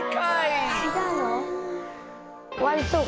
違うの。